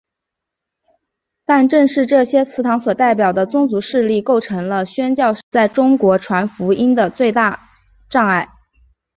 但正是这些祠堂所代表的宗族势力构成了宣教士在中国传福音的最大障碍。